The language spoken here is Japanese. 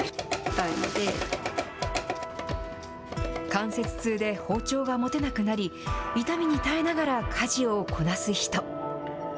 関節痛で包丁が持てなくなり、痛みに耐えながら家事をこなす人。